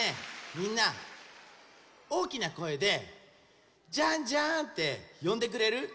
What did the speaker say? みんなおおきなこえで「ジャンジャン」ってよんでくれる？